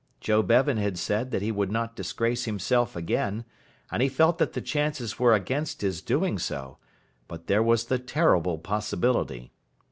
Joe Bevan had said that he would not disgrace himself again, and he felt that the chances were against his doing so, but there was the terrible possibility.